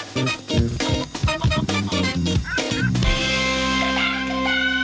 โปรดติดตามตอนต่อไป